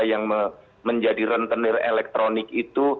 yang menjadi rentenir elektronik itu